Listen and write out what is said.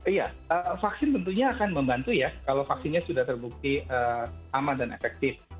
iya vaksin tentunya akan membantu ya kalau vaksinnya sudah terbukti aman dan efektif